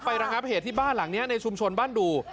ระงับเหตุที่บ้านหลังนี้ในชุมชนบ้านดู